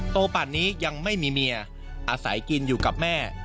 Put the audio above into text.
ปั่นนี้ยังไม่มีเมียอาศัยกินอยู่กับแม่